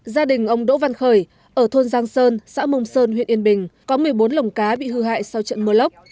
gia đình ông đỗ văn khởi ở thôn giang sơn xã mông sơn huyện yên bình có một mươi bốn lồng cá bị hư hại sau trận mưa lốc